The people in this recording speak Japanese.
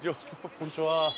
こんにちは。